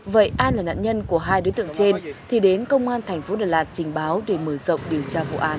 vậy an là nạn nhân của hai đối tượng trên thì đến công an thành phố đà lạt trình báo để mở rộng điều tra vụ án